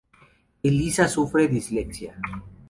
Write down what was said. Eliza sufre de dislexia.